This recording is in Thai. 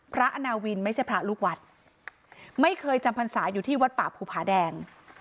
อาณาวินไม่ใช่พระลูกวัดไม่เคยจำพรรษาอยู่ที่วัดป่าภูผาแดง